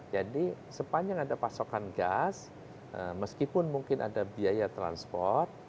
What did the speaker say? sepanjang ada pasokan gas meskipun mungkin ada biaya transport